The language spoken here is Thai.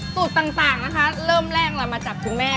สูตรต่างนะคะเริ่มแรกเรามาจากคุณแม่